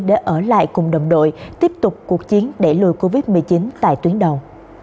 để ở lại cùng đồng đội tiếp tục cuộc chiến để lùi covid một mươi chín tại tuyến đầu